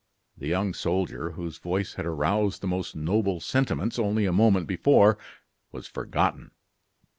The young soldier, whose voice had aroused the most noble sentiments only a moment before, was forgotten.